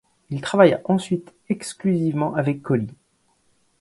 Il travailla ensuite exclusivement avec Coli.